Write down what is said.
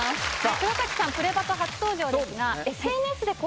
黒崎さん「プレバト‼」初登場ですがこちらです。